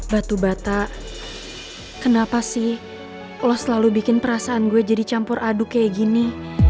batu bata kenapa sih lo selalu bikin perasaan gue jadi campur aduk kayak gini